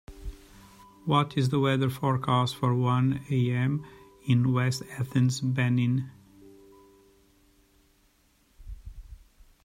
What is the weather forecast for one am. in West Athens, Benin